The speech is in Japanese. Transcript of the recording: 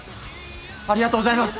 ありがとうございます。